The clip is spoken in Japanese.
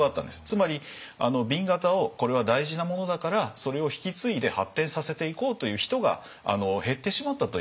つまり紅型をこれは大事なものだからそれを引き継いで発展させていこうという人が減ってしまったという。